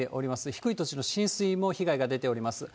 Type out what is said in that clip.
低い土地の浸水も被害が出ております。